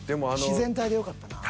自然体でよかったな。